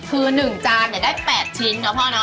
คือหนึ่งจานเนี่ยได้๘ชิ้นเหรอพ่อเนาะ